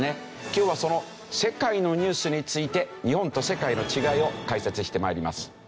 今日はその世界のニュースについて日本と世界の違いを解説して参ります。